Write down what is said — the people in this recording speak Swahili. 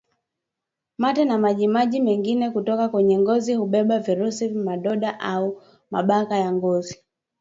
Mate na majimaji mengine kutoka kwenye ngozi hubeba virusi Madonda au mabaka ya ngozi